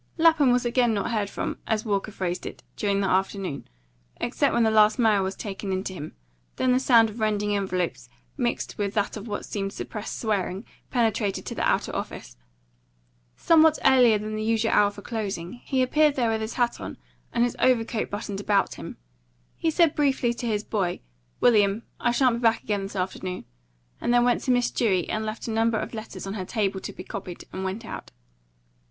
Lapham was not again heard from, as Walker phrased it, during the afternoon, except when the last mail was taken in to him; then the sound of rending envelopes, mixed with that of what seemed suppressed swearing, penetrated to the outer office. Somewhat earlier than the usual hour for closing, he appeared there with his hat on and his overcoat buttoned about him. He said briefly to his boy, "William, I shan't be back again this afternoon," and then went to Miss Dewey and left a number of letters on her table to be copied, and went out.